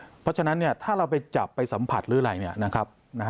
เพราะฉะนั้นถ้าเราไปจับไปสัมผัสหรืออะไร